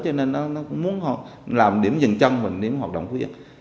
cho nên nó muốn làm điểm dừng chân và điểm hoạt động phú yên